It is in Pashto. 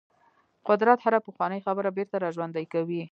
قدرت هره پخوانۍ خبره بیرته راژوندۍ کوي.